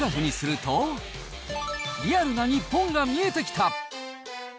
その結果を円グラフにすると、リアルな日本が見えてきた。